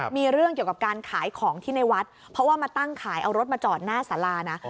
มีเรื่องเกี่ยวกับการขายของที่ในวัดเพราะว่ามาตั้งขายเอารถมาจอดหน้าสารานะ